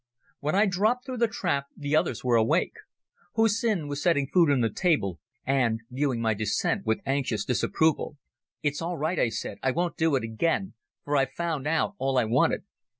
When I dropped through the trap the others were awake. Hussin was setting food on the table, and viewing my descent with anxious disapproval. "It's all right," I said; "I won't do it again, for I've found out all I wanted.